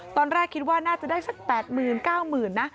ตอนแรกคิดว่าน่าจะได้สัก๘๙๐๐๐นะ